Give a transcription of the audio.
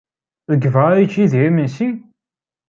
Deg beṛṛa ara yečč Yidir imensi?